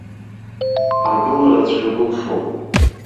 Агылараҵәҟьа былшом!